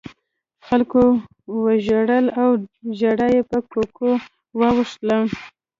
خلکو وژړل او ژړا په کوکو واوښته.